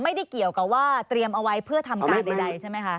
ไม่ได้เกี่ยวกับว่าเตรียมเอาไว้เพื่อทำการใดใช่ไหมคะ